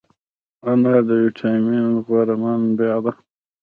انار د ویټامین C غوره منبع ده.